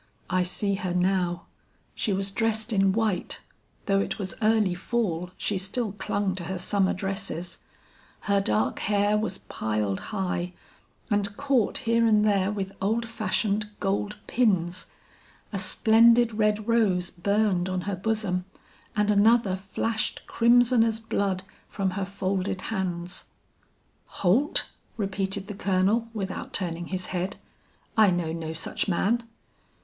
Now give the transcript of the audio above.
I see her now. She was dressed in white though it was early fall she still clung to her summer dresses her dark hair was piled high, and caught here and there with old fashioned gold pins, a splendid red rose burned on her bosom, and another flashed crimson as blood from her folded hands. "'Holt?' repeated the Colonel without turning his head, 'I know no such man.'